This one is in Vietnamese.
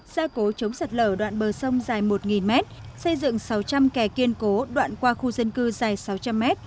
gia cố chống sạt lở đoạn bờ sông dài một m xây dựng sáu trăm linh kè kiên cố đoạn qua khu dân cư dài sáu trăm linh m